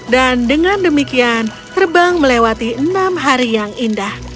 dan dengan demikian terbang melewati enam hari yang indah